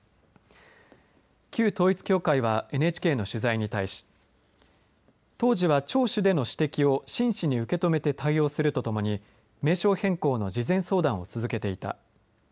旧統一教会はＮＨＫの取材に対し当時は聴取での指摘を真摯に受け止めて対応するとともに名称変更の事前相談を続けていた。